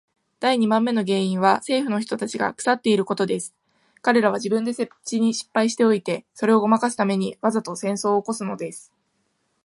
第二番目の原因は政府の人たちが腐っていることです。彼等は自分で政治に失敗しておいて、それをごまかすために、わざと戦争を起すのです。